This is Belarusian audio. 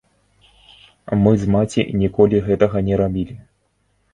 Мы з маці ніколі гэтага не рабілі.